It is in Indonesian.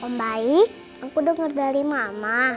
mbaik aku denger dari mama